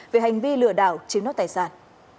về hành vi lừa đảo chiếm nốt tài sản